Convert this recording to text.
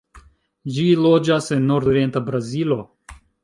Ĝi loĝas en nordorienta Brazilo.